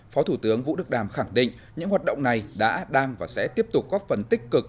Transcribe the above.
phó thủ tướng vũ đức đàm khẳng định những hoạt động này đã đang và sẽ tiếp tục góp phần tích cực